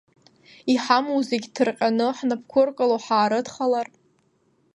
Иҳамоу зегьы ҭырҟьаны, ҳнапқәа ыркало ҳаарыдхалар?